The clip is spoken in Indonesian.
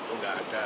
oh nggak ada